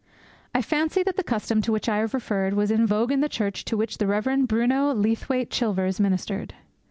I fancy that the custom to which I have referred was in vogue in the church to which the Rev. Bruno Leathwaite Chilvers ministered.